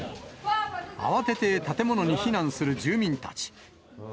慌てて建物に避難する住民たち。